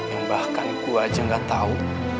yang bahkan gue aja gak tahu